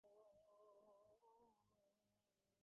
কর্গ, চুপ করো।